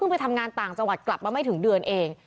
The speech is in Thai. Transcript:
ไปทำงานต่างจังหวัดกลับมาไม่ถึงเดือนเอง